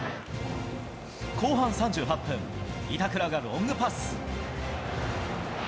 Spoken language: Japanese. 後半３８分、板倉がロングパス。